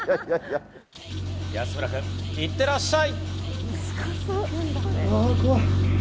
安村君、いってらっしゃい！